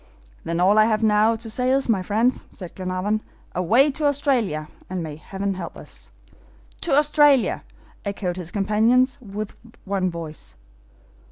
"Then all I have now to say is, my friends," said Glenarvan, "away to Australia, and may Heaven help us!" "To Australia!" echoed his companions, with one voice.